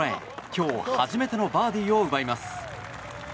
今日初めてのバーディーを奪います。